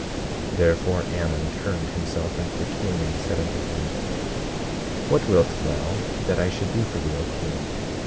18:14 Therefore Ammon turned himself unto the king, and said unto him: What wilt thou that I should do for thee, O king?